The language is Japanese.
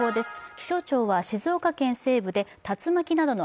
気象庁は静岡県西部で竜巻などの